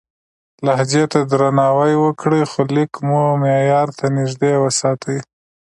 لهجې ته درناوی وکړئ، خو لیک مو معیار ته نږدې وساتئ.